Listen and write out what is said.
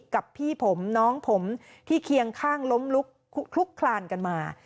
กับพี่ผมน้องผมที่เคียงข้างล้มลุกคลุกคลานกันมา